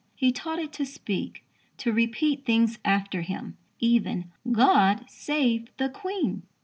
He taught it to speak to repeat things after him, even "God Save the Queen."